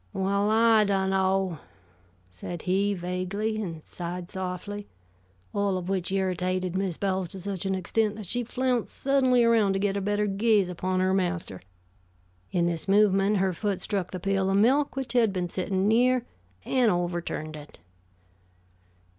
"Well, I dunno," said he, vaguely, and sighed softly; all of which irritated Mrs. Bowles to such an extent that she flounced suddenly around to get a better gaze upon her master. In this movement, her foot struck the pail of milk which had been sitting near, and overturned it.